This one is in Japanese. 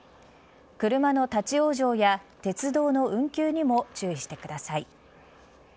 車の立ち往生や鉄道の運休にも注意してください。